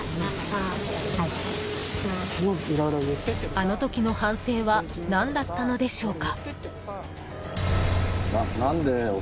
［あのときの反省は何だったのでしょうか］